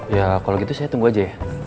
ya kalau gitu saya tunggu aja ya